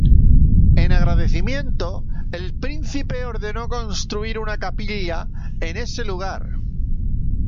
En agradecimiento, el príncipe ordenó construir una capilla en ese lugar.